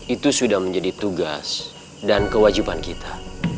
itu sudah menjadi tugas dan kewajiban kita